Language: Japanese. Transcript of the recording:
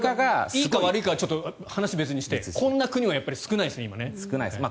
いいか悪いかは別にしてこんな国は今、少ないですね。